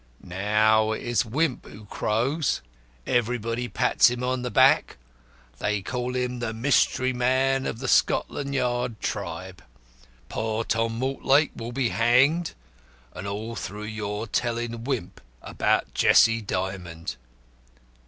Now it is Wimp who crows everybody pats him on the back they call him the mystery man of the Scotland Yard tribe. Poor Tom Mortlake will be hanged, and all through your telling Wimp about Jessie Dymond!"